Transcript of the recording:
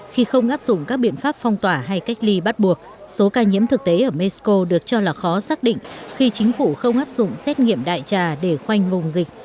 khi không áp dụng các biện pháp phong tỏa hay cách ly bắt buộc số ca nhiễm thực tế ở mexico được cho là khó xác định khi chính phủ không áp dụng xét nghiệm đại trà để khoanh vùng dịch